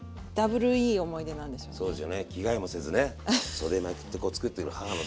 袖まくってこう作ってる母の姿。